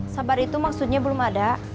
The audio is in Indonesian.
sabar itu maksudnya belum ada